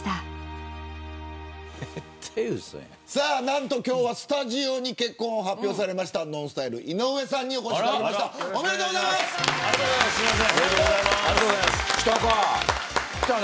何と今日はスタジオに結婚を発表されたＮＯＮＳＴＹＬＥ井上さんにお越しいただきました。